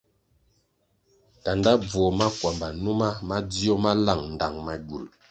Kanda bvuo makwamba numa madzio ma lang ndtang magywul.